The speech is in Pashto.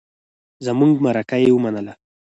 زمونږ مرکه يې ومنله.